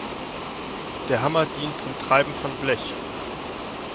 Der Hammer dient zum Treiben von Blech.